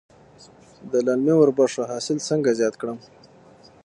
د للمي وربشو حاصل څنګه زیات کړم؟